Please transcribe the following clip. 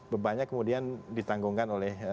bebannya kemudian ditanggungkan oleh